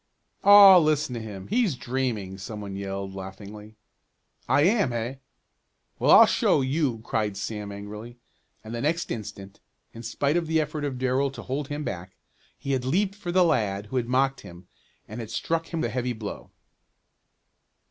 "Aw, listen to him! He's dreaming!" some one yelled, laughingly. "I am; eh? Well, I'll show you!" cried Sam angrily, and the next instant, in spite of the effort of Darrell to hold him back, he had leaped for the lad who had mocked him, and had struck him a heavy blow.